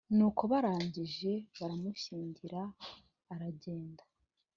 nuko barangije baramushyingira aragenda .